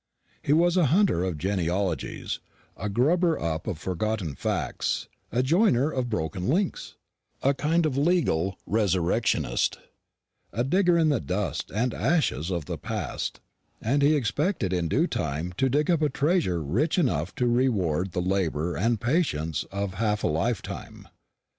He was a hunter of genealogies, a grubber up of forgotten facts, a joiner of broken links, a kind of legal resurrectionist, a digger in the dust and ashes of the past; and he expected in due time to dig up a treasure rich enough to reward the labour and patience of half a lifetime.